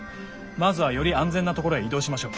まずはより安全な所へ移動しましょう。